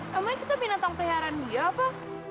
namanya kita binatang keliaran dia apa